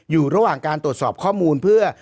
อยู่ระหว่างการตรวจสอบข้อมูลเพื่อ